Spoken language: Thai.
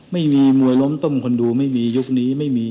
ไม่มีมวยล้มต้มคนดูไม่มียุคนี้ไม่มี